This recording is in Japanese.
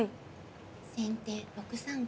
先手６三金。